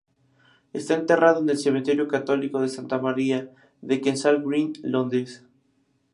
Está enterrado en el cementerio católico de Santa María de Kensal Green, Londres.